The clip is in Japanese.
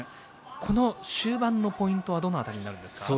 この終盤のポイントはどの辺りになるんですか？